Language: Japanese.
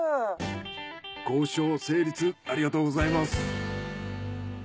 交渉成立ありがとうございます。